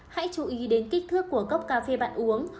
hãy chú ý đến kích thước của cốc cà phê bạn uống